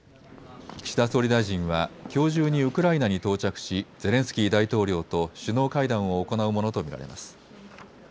岸田総理大臣はきょう中にウクライナに到着しゼレンスキー大統領と首脳会談を行うものと見られます。